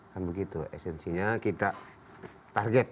kan begitu esensinya kita target